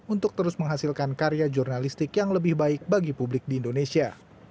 untuk terus menghasilkan karya jurnalistik yang lebih baik bagi publik di indonesia